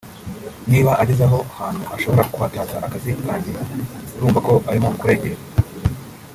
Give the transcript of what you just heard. niba ageze noneho ahantu ashobora kwataka akazi kanjye urumva ko arimo kurengera